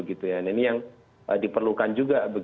ini yang diperlukan juga